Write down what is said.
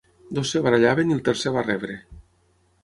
Dos es barallaven i el tercer va rebre.